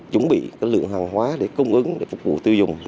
chuẩn bị lượng hàng hóa để cung ứng để phục vụ tiêu dùng